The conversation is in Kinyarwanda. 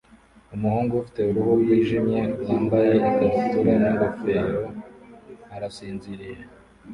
Umuhungu ufite uruhu rwijimye wambaye ikabutura n'ingofero arasinziriye